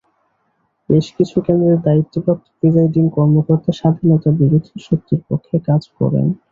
বেশ কিছু কেন্দ্রের দায়িত্বপ্রাপ্ত প্রিসাইডিং কর্মকর্তা স্বাধীনতাবিরোধী শক্তির পক্ষে কাজ করেন।